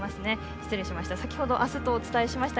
失礼しました。